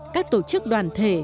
các tổ chức đoàn thể